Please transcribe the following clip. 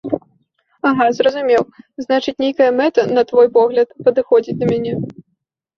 Ага, зразумеў, значыць, нейкая мэта, на твой погляд, падыходзіць да мяне.